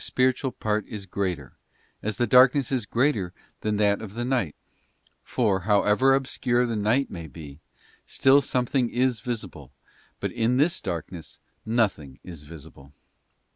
spiritual part is greater, as this darkness is greater than that of the night; for, however obscure the night may be, still something is visible, but in this darkness nothing is visible.